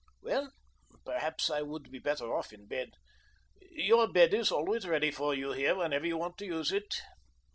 "Well, perhaps I would be better off in bed. YOUR bed is always ready for you here whenever you want to use it."